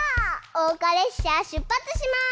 おうかれっしゃしゅっぱつします！